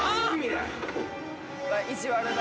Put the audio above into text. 意地悪な。